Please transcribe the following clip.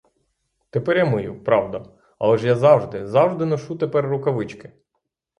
Тепер я мию, правда, але ж я завжди, завжди ношу тепер рукавички.